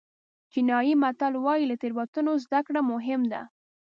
چینایي متل وایي له تېروتنو زده کړه مهم ده.